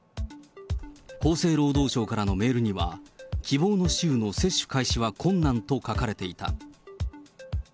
厚生労働省からのメールには、希望の週の接種開始は困難と書かれていた。